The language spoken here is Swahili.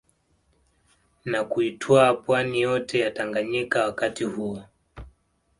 Na kuitwaa Pwani yote ya Tanganyika wakati huo